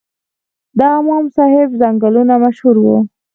د امام صاحب ځنګلونه مشهور وو